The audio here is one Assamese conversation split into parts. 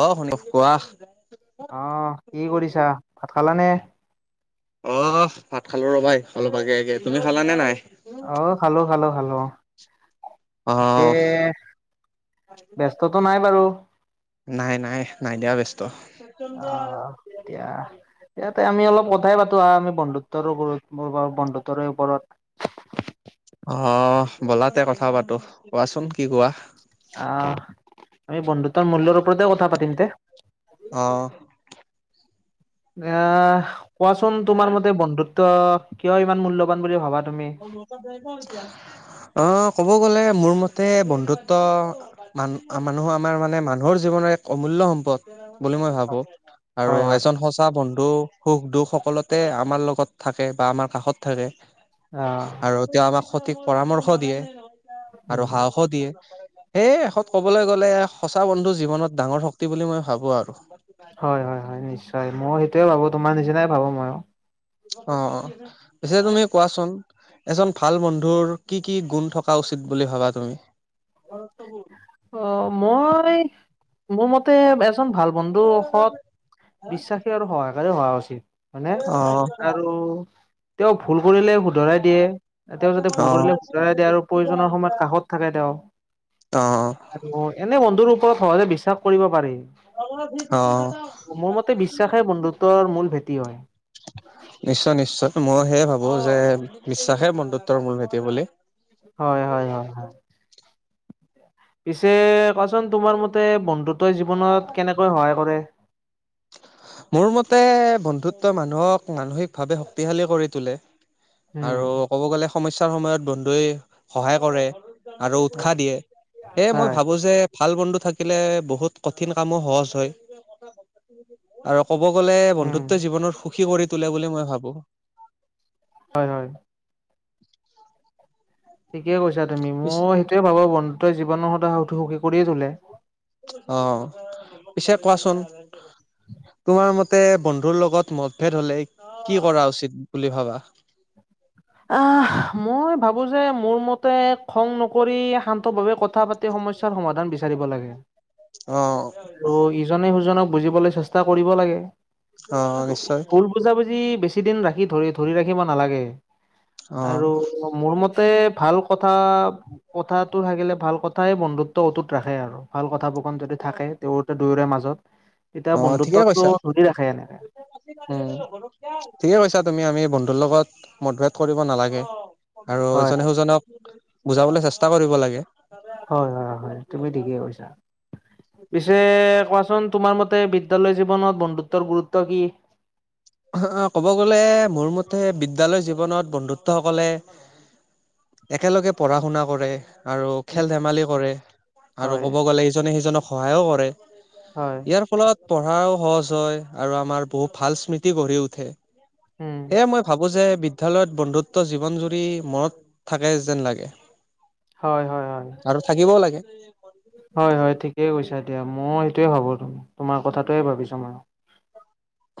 অ শুনি কোৱা অ কি কৰিছা ভাত খালানে? অ ভাত খালো ৰবা এই অলপ আগে আগে তুমি খালা নে নাই অ খালো খালো খালো অ অ পিছে ব্যস্তটো নাই বাৰু নাই নাই নাই দিয়া ব্যস্ত অ এয়া ইয়াতে আমি অলপ কথাই পাতো আ আমি বন্ধুত্বৰ ওপৰত বন্ধুত্বৰে ওপৰত অ বলাতে কথা পাতো কোৱাচোন কি কোৱা? আহ আমি বন্ধুত্বৰ মূল্যৰ ওপৰতে কথা পাতিম তে অ এ কোৱাচোন তোমাৰ মতে বন্ধুত্ব কিয় ইমান মূল্যবান বুলি ভাবা তুমি? অ ক'ব গ'লে মোৰ মতে বন্ধুত্ব মান মানুহ আমাৰ মানে মানুহৰ জীৱনৰ এক অমূল্য সম্পদ বুলি মই ভাবো হয় আৰু হয়। এজন সঁচা বন্ধু সুখ দুখ সকলোতে আমাৰ লগত থাকে বা আমাৰ কাষত থাকে অ', আৰু তেওঁ আমাক সঠিক পৰামৰ্শ দিয়ে আৰু সাহসো দিয়ে। সেই শেষত ক'বলৈ গ'লে সঁচা বন্ধু জীৱনত ডাঙৰ শক্তি বুলি মই ভাবো আৰু হয় হয় হয় নিশ্চয় মই সেইটোয়ে ভাবো তোমাৰ নিচিনাই ভাবো মইও অ অ পিছে তুমি কোৱাচোন এজন ভাল বন্ধুৰ কি কি গুণ থকা উচিত বুলি ভাবা তুমি অৰটো অ মই মোৰ মতে ভাল বন্ধু সৎ বিশ্বাসী আৰু সহকাৰে হোৱা উচিত হয়নে অ আৰু তেওঁক ভুল কৰিলে শুধৰাই দিয়ে। তেওঁ যাতে ভুল অ', কৰিলে সুধৰাই দিয়ে আৰু প্ৰয়োজনৰ সময়ত কাষত থাকে তেওঁ অ', আৰু এনে বন্ধুৰ ওপৰত সহজে বিশ্বাস কৰিব পাৰি অ', মোৰ মতে বিশ্বাসে বন্ধুত্বৰ মূল ভেটি হয়। নিশ্চয় নিশ্চয় মই সেয়ে ভাবো যে বিশ্বাসে বন্ধুত্বৰ মূল ভেটি বুলি। হয়, হয়, হয় পিছে কোৱাচোন তোমাৰ মতে বন্ধুত্বই জীৱনত কেনেকৈ সহায় কৰে। মোৰ মতে বন্ধুত্ব মানুহক মানসিকভাৱে শক্তিশালী কৰি তোলে। উম। আৰু ক'ব গ'লে সমস্যাৰ সময়ত বন্ধুৱে সহায় কৰে আৰু উৎসাহ দিয়ে সেয়ে মই হয় ভাবো যে, ভাল বন্ধু থাকিলে বহুত কঠিন কামো সহজ হয়। আৰু, ক'ব গ'লে উম বন্ধুত্ব জীৱনত সুখী কৰি তোলে বুলি মই ভাবো। হয়, হয়। [inaudible] ঠিকেই কৈছা তুমি পিছ মই সেইটোৱে ভাবো বন্ধুতে জীৱনৰ সদায় সুখী সুখী কৰিয়ে তোলে। অ পিছে কোৱাচোন তোমাৰ মতে বন্ধুৰ লগত মতভেদ হলেই, কি কৰা উচিত বুলি ভাবা? আহ মই ভাবো যে মোৰ মতে খং নকৰি শান্তভাৱে কথা পাতি সমস্যা সমাধান বিচাৰিব লাগে। অ ত ইজনে সুজনক বুজিবলৈ চেষ্টা কৰিব লাগে। অ নিশ্চয় ভূল বুজাবুজি বেছি বেছি দিন ধ ধৰি ৰাখিব নালাগে অ আৰু মোৰ মতে ভাল। কথা কথাতটো থাকিলে ভাল কথাই বন্ধুত্ব অটুত ৰাখে আৰু ভাল কথ বোৰকন যদি থাকে। তেওঁ তে দুয়োৰে মাজত তেতিয়া অ ঠিকে বন্ধুত্বটো কৈছা ধৰি ৰাখে এনেকে উ ঠিকে কৈছা তুমি আমি বন্ধুৰ লগত মতভেদ কৰিব নালাগে। আৰু হয় ইজনে সুজনক বুজাবলৈ চেষ্টা কৰিব লাগে। ঠিকে কৰিছা পিছে কোৱাচোন, তোমাৰ মতে বিদ্যালয় জীৱনত বন্ধুত্বৰ গুৰুত্ব কি। ক'ব গ'লে মোৰ মতে বিদ্যালয় জীৱনত বন্ধুত্ব সকলে একেলগে পঢ়া শুনা কৰে। আৰু খেল ধেমালি কৰে আৰু হয় ক'ব গ'লে ইজনে সিজনক সহায়ো কৰে। হয় ইয়াৰ ফলত পঢ়াও সহজ হয়, আৰু আমাৰ বহুত ভাল স্মৃতি। গঢ়ি উঠে উম সেয়ে মই ভাবো যে বিদ্যালয়ত বন্ধুত্ব জীৱন জুৰি মনত থাকে যেন লাগে। হয় হয় হয় আৰু থাকিবও লাগে হয় হয় ঠিকেই কৈছা। এতিয়া মই সেইটোয়ে ভাবো তোমাৰ কথাটোয়ে ভাবিছো মইওঁ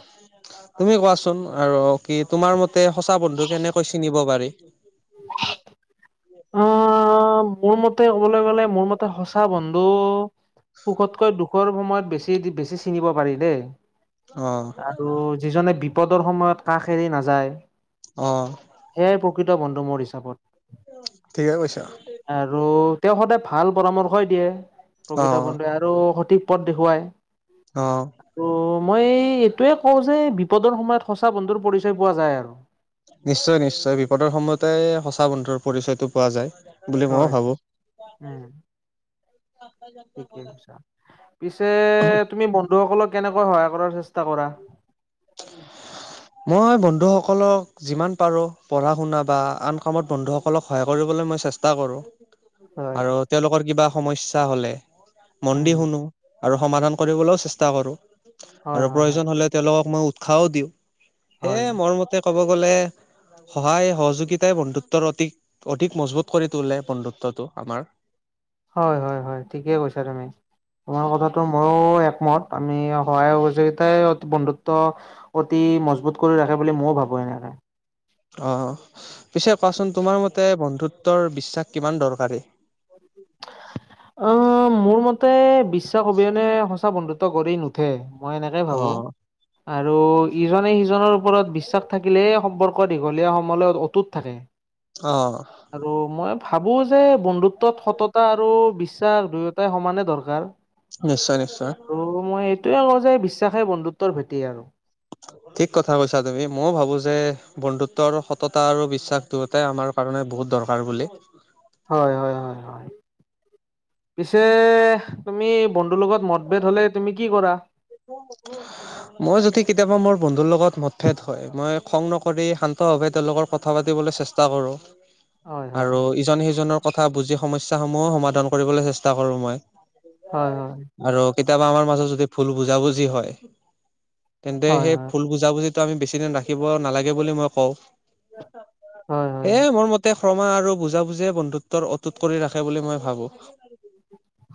তুমি কোৱাচোন আৰু কি তোমাৰ মতে সঁচা বন্ধু কেনেকৈ চিনিব পাৰি। [unintelligible] আহ মোৰ মতে ক'বলৈ গ'ল, মোৰ মতে সঁচা বন্ধু। সুখতকৈ দুখৰ সময়ত বেছি বেছি চিনিব পাৰি দেই। অ আৰু যিজনে বিপদৰ সময়ত কাষ এৰি নাযায়। অ সেয়াই প্ৰকৃত বন্ধু মোৰ হিচাপত। আৰু তেওঁ সদায় ভাল পৰামৰ্শই দিয়ে। অ প্ৰকৃত বন্ধু, আৰু সঠিক পথ দেখুৱায় অ আৰু মই এইটোয়ে কওঁ যে বিপদৰ সময়ত সঁচা বন্ধুৰ পৰিচয় পোৱা যায় আৰু। নিশ্চয় নিশ্চয় বিপদৰ সময়তে সঁচা বন্ধুৰ পৰিচয়টো পোৱা যায়। বুলি ময়ো হয়, ভাবো উম পিছে তুমি বন্ধুসকলক কেনেকৈ সহায় কৰাৰ চেষ্টা কৰা [unintelligible] মই বন্ধুসকলক যিমান পাৰো পঢ়া শুনা বা আন কামত বন্ধুসকলক সহায় কৰিব। ই চেষ্টা কৰোঁ হয় আৰু তেওঁলোকৰ কিবা সমস্যা হলে মনদি উম শুনো। আৰু সমাধান কৰিবলৈও চেষ্টা কৰো হয় আৰু হয় হয় প্ৰয়োজন হলে তেওঁলোকক মই উৎসাহও দিওঁ। সে, মোৰ মতে ক'ব গ'লে সহায় সহযোগিতাই বন্ধুত্বৰ অধিক, অধিক মজবুত কৰি তোলে, বন্ধুত্বটো আমাৰ। হয়, হয়, হয়, ঠিকে কৈছা তুমি। তোমাৰ কথাটো মইয়ো মত, আমি সহায়, সহযোগিতাই অতি বন্ধুত্ব অতি মজবুত কৰি ৰাখে বুলি মইয়ো ভাবোঁ। অ'! পিছে কোৱাচোন? তোমাৰ মতে বন্ধুত্ব ৰ বিশ্বাস কিমান দৰকাৰী? অ'! মোৰ মতে, বিশ্বাস অবিহনে সঁচা বন্ধুত্ব গঢ়ি নুঠে। মই এনেকে অ ভাবোঁ আৰু ইজনে, সিজনৰ ওপৰত বিশ্বাস থাকিলেই সম্পৰ্ক দীঘলীয়া সময়লৈ অটুত থাকে অ আৰু মই ভাবোঁ যে বন্ধুত্বত সততা আৰু বিশ্বাস দুয়োটাই সমানে দৰকাৰ। নিশ্চয় নিশ্চয় আৰু মই এইটোৱে কওঁ যে, বিশ্বাসে বন্ধুত্বৰ ভেটি আৰু। ঠিক কথা কৈছা তুমি ময়ো ভাবো যে বন্ধুত্বৰ সততা আৰু বিশ্বাস দুয়োটাই আমাৰ কাৰণে, বহুত দৰকাৰ বুলি। হয়, হয়, হয়, হয়। পিছে, তুমি বন্ধুৰ লগত মতভেদ হ'লে তুমি কি কৰা? মই যদি, কেতিয়াবা মোৰ বন্ধুৰ লগত মতভেদ হয়। মই খং নকৰি শান্ত ভাৱে তেওঁলোকৰ কথা পাতিবলৈ চেষ্টা কৰোঁ। হয় হয় আৰু ইজনে, সিজনৰ কথা বুজি, সমস্যা সমূহো সমাধান কৰিবলৈ চেষ্টা কৰোঁ মই। হয়, হয়। আৰু কেতিয়াবা, আমাৰ মাজত যদি ভুল বুজাবুজি হয়। তেন্তে, হয় সেই হয়। ভুল বুজাবুজি আমি বেছি দিন ৰাখিব নালাগে বুলি মই কওঁ। হয় হয় সেই, মোৰ মতে ক্ৰমা আৰু বুজাবুজিয়ে বন্ধুত্বৰ অটুট কৰি ৰাখে বুলি মই ভাবোঁ।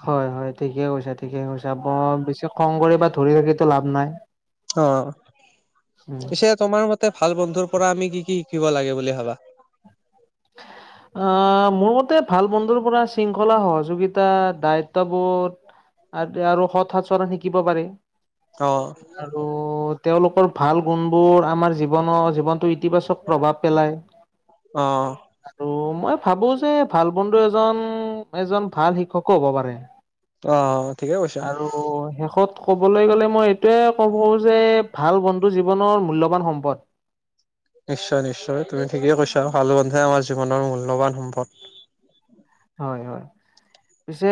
হয়, হয়, ঠিকে কৈছে, ঠিকে কৈছে। বৰ বেছি খং কৰি বা ধৰি ৰাখি ত' লাভ নাই। অ'! উম পিছে, তোমাৰ মতে ভাল বন্ধুৰ পৰা আমি কি কি শিকিব লাগে বুলি ভাবা? আঁ মোৰ মতে, ভাল বন্ধুৰ পৰা শৃংখলা, সহযোগিতা, দায়িত্ব বোধ আৰু আৰু সৎ আচৰণ শিকিব পাৰে অ', আৰু তেওঁলোকৰ ভাল গুণবোৰ, আমাৰ জীৱনৰ জীৱনটো ইতিবাচক প্ৰভাৱ পেলায়। অ'! আৰু মই ভাবোঁ যে, ভাল বন্ধু এজন, এজন ভাল শিক্ষকো হ'ব পাৰে। অ', ঠিকে কৈছা। আৰু শেষত ক'বলৈ গ'লে, মই, এইটোৱে কওঁ যে, ভাল বন্ধু জীৱনৰ মূল্যবান সম্পদ। [inaudible] নিশ্চয়, নিশ্চয়, তুমি ঠিকেই কৈছা। ভাল বন্ধুৱে আমাৰ জীৱনৰ মূল্যবান সম্পদ। হয়, হয়। পিছে,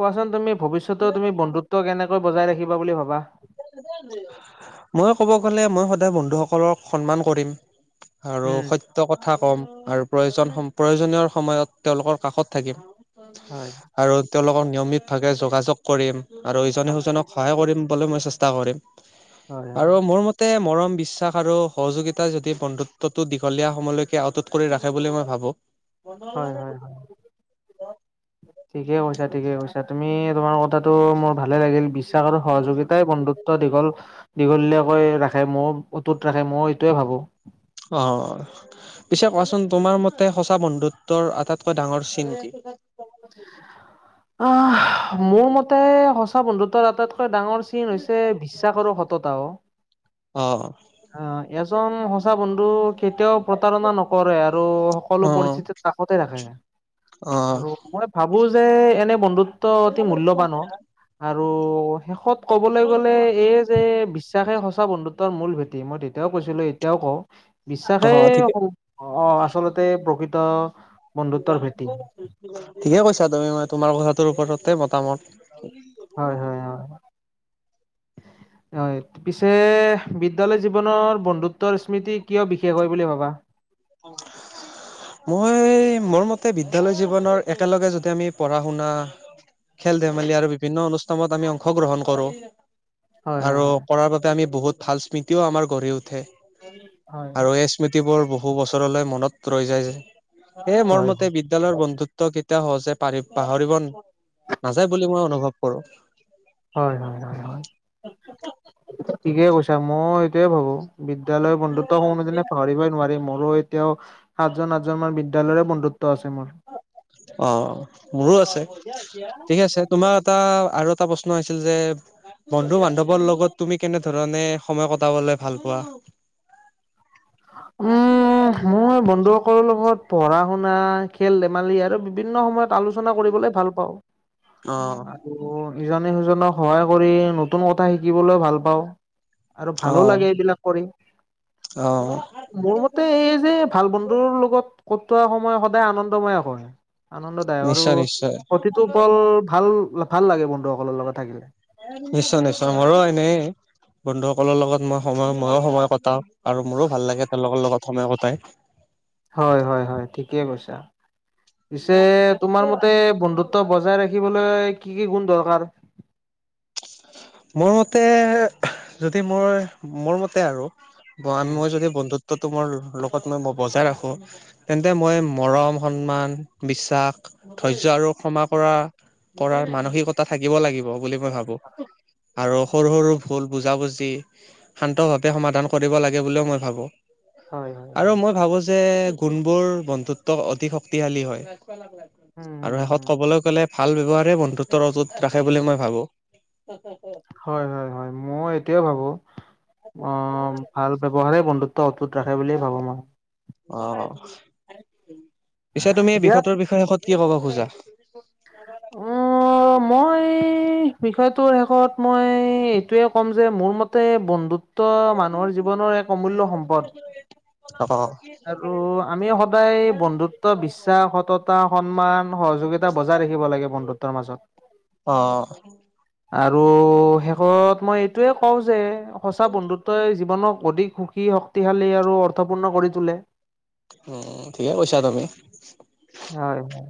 কোৱাচোন তুমি ভৱিষ্যত তুমি বন্ধুত্ব কেনে বজাই ৰাখিবা বুলি ভাবা? মই ক'ব গ'লে, মই সদায় বন্ধুসকলক সন্মান কৰিম। আৰু উম সত্য কথা কম আৰু প্ৰয়োজন, প্ৰয়োজনীয়ৰ সময়ত তেওঁলোকৰ কাষত থাকিম। হয়। আৰু তেওঁলোকক নিয়মিতভাৱে যোগাযোগ কৰিম আৰু ইজনে, হয় সিজনক সহায় কৰিম বুলি মই চেষ্টা কৰিম। হয় হয় আৰু মোৰ মতে, মৰম বিশ্বাস আৰু সহযোগিতা যদি বন্ধুত্বটো দীঘলীয়া সময়লৈকে আতুত কৰি ৰাখে বুলি মই ভাবোঁ। হয়, হয়। ঠিকে কৈছা, ঠিকে কৈছা। তুমি, তোমাৰ কথাটো, মোৰ ভাল ভালে লাগিল। বিশ্বাস আৰু সহযোগিতাই বন্ধুত্ব দীঘল দীঘলীয়াকৈ ৰাখে। মই অতুত ৰাখে মই এইটোৱে ভাবোঁ। অ'! পিছে কোৱাচোন? তোমাৰ মতে, সঁচা বন্ধুত্বৰ আটাইতকৈ ডাঙৰ চিন কি? আঁ মোৰ মতে, সঁচা বন্ধুত্বৰ এটাত ডাঙৰ চিন হৈছে, বিশ্বাসৰো সততা অ'। অ'। অ'! এজন সঁচা বন্ধু কেতিয়াও প্ৰতাৰণা নকৰে আৰু সকলো অ', পৰিস্থিতিত কাষতে ৰাখে। অ', আৰু মই ভাবো যে এনে বন্ধুত্ব অতি মূল্যবান। আৰু শেষত ক'বলৈ গ'লে এই যে বিশ্ব - তাকে সঁচা বন্ধুত্বৰ মূল ভেটি। মই তেতিয়াও কৈছিলো এতিয়াও কও। বিশ্বাসে অ', ঠিকে অ আচলতে প্ৰকৃত বন্ধুত্বৰ ভেটি ঠিকে কৈছা। তুমি মই তোমাৰ কথাটোৰ ওপৰতে মতামত। হয় হয় হয়। [inaudible] হয়। পিছে বিদ্যয়ালয় জীৱনৰ বন্ধুত্বৰ স্মৃতি কিয় বিশেষ হয় বুলি ভাবা? [unintelligible] মই মোৰ মতে বিদ্যালয় জীৱনৰ একেলগে যদি আমি পঢ়া শুনা, খেল ধেমালি আৰু বিভিন্ন অনুষ্ঠানত আমি অংশগ্ৰহণ কৰোঁ, হয় হয় আৰু কৰাৰ বাবে আমি বহুত ভাল স্মৃতিও আমাৰ গঢ়ি উঠে। হয় আৰু এই স্মৃতিবোৰ বহু বছৰলৈ মনত ৰৈ যায় যে। এ মোৰ হয় হয় মতে বিদ্যালয়ৰ বন্ধুত্ব কেতি - এয়া সহজে পাৰি পাহৰিব নাযায় বুলি মই অনুভৱ কৰো। হয় হয় ঠিকে কৈছা, মই এইটোয়ে ভাবো। বিদ্যালয় বন্ধুত্ব কোনোদিনে পাহৰিবই নোৱাৰিম মই। এতিয়াও সাতজন আঠজন মান বিদ্যালয়ৰে বন্ধুত্ব আছে মোৰ। অ মোৰো আছে। ঠিক আছে তোমাৰ এটা আৰু এটা প্ৰশ্ন হৈছিল যে বন্ধু বান্ধৱৰ লগত তুমি কেনেধৰণে সময় কটাবলে ভাল পোৱা? উম মই বন্ধুসকলৰ লগত পঢ়া- শুনা, খেল- ধেমালি, আৰু বিভিন্ন সময়ত আলোচনা কৰিবলৈ ভাল পাওঁ। অ আৰু ইজনে সিজনক সহায় কৰি নতুন কথা শিকিবলৈ ভাল পাওঁ। আৰু অ ভালো লাগে এইবিলাক কৰি। অ' মোৰ মতে এই যে ভাল বন্ধুৰ লগত কটোৱা সময় সদায় আনন্দময়ক হয়। আনন্দদায়ক আৰু নিশ্চয় নিশ্চয় প্ৰতিটো পল ভাল ভাল লাগে বন্ধুসকলৰ লগত থাকিলে। নিশ্চয় নিশ্চয় মোৰো এনে বন্ধুসকলৰ লগত মই সময় ময়ো সময় ক- টাও আৰু মোৰো ভাল লাগে তেওঁলোকৰ লগত সময় কটাই। হয় হয় হয় ঠিকে কৈছা পিছে তোমাৰ মতে বন্ধু ত্ব বজাই ৰাখিবলৈ কি কি গুণ দৰকাৰ? মোৰ মতে যদি মই মোৰ মতে আৰু বন মই যদি বন্ধু ত্বটো মোৰ লগত মই মই বজাই ৰাখো, তেন্তে মই মৰম, সন্মান, বিশ্বাস, ধৈয্য আৰু ক্ষমা কৰা কৰাৰ মানসিকতা থাকিব লাগিব বুলি মই ভাবো। উ আৰু সৰু সৰু ভুল বুজাবুজি শান্তভাৱে সমাধান কৰিব লাগে বুলিও মই ভাবোঁ। হয় হয় হয়। যে কোনবোৰ বন্ধুত্ব অধিক শক্তিশালী হয়। উম আৰু উম শেষত উম কবলৈ গ'লে ভাল ব্যৱহাৰে বন্ধুত্বৰ অজুত ৰাখে বুলি মই ভাবো। হয় হয় হয়। মই এতিয়া ভাবো অ ভাল ব্যৱহাৰে বন্ধুত্ব অটুত ৰাখে বুলিয়ে ভাবো মই। অ, পিছে তুমি এই দিয়াত বিষয়টোৰ বিষয়ে শেষত কি কব খোজা? ন [unintelligible] উম মই বিষয়টোৰ শেষত মই এইটোৱে ক'ম যে, মোৰ মতে বন্ধু ত্ব মানুহৰ জীৱনৰ এক অমূল্য সম্পদ। অ আৰু আমি সদায় বন্ধুত্ব, বিশ্বাস, সততা, সন্মান সহযোগিতা বজাই ৰাখিব লাগে বন্ধুত্বৰ মাজত। অ আৰু শেষত মই এইটোয়ে কও যে সঁচা বন্ধুত্বই জীৱনক অধিক সুখী শক্তিশালী আৰু অৰ্থপূৰ্ণ কৰি তোলে। উম, ঠিকে কৈছা তুমি। হয়, হয়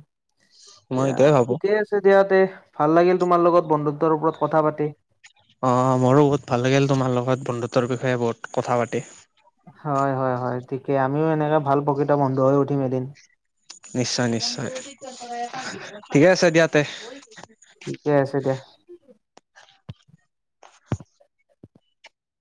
মই দিয়া এইটোয়ে ভাবো। ঠিকে আছে দিয়া দে। ভাল লাগিল তোমাৰ লগত বন্ধুত্বৰ ওপৰত কথা পাতি। অ, মোৰো বহুত ভাল লাগিল তোমাৰ লগত বন্ধুত্বৰ বিষয়ে বহুত কথা পাতি। হয় হয় হয় ঠিকে আমিও এনেকে ভাল প্ৰকৃত বন্ধু হৈ উঠিম এদিন। নিশ্চয় নিশ্চয় ঠিকে আছে দিয়া তে। ঠিকে আছে দিয়া।